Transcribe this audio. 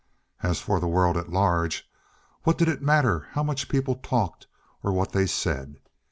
As for the world at large, what did it matter how much people talked or what they said.